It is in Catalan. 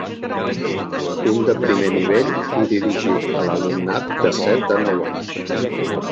Un de primer nivell i dirigit a l’alumnat de set a nou anys.